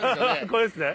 これですね。